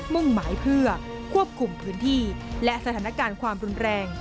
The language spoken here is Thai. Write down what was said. มุ่งหมายเพื่อควบคุมพื้นที่และสถานการณ์ความรุนแรง